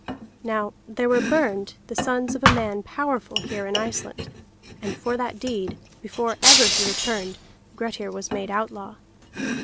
Now there were burned the sons of a man powerful here in Iceland; and for that deed, before ever he returned, Grettir was made outlaw.